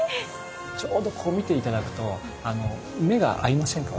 ちょうどこう見て頂くと目が合いませんか？